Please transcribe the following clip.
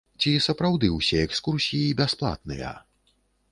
Ці сапраўды ўсе экскурсіі бясплатныя?